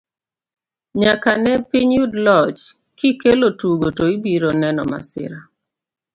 nyaka ne piny yud loch, kikelo tugo to ibiro neno masira